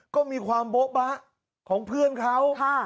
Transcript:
ก็มีความโบ๊ะบะของเพื่อนเขา